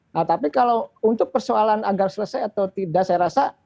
nah tapi kalau untuk persoalan agar selesai atau tidak saya rasa